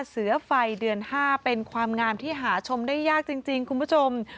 เสือไฟเดือน๕เป็นความงามที่หาชมได้ยากจริงคุณผู้ชม